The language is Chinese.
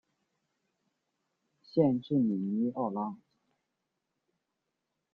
县治米尼奥拉。